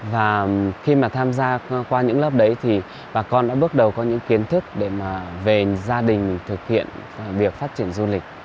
và khi mà tham gia qua những lớp đấy thì bà con đã bước đầu có những kiến thức để mà về gia đình thực hiện việc phát triển du lịch